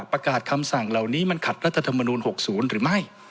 ประกาศคำสั่งเหล่านี้มันขัดรัฐธรรมนูล๖๐หรือไม่